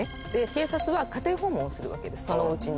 警察は家庭訪問をするわけですそのおうちに。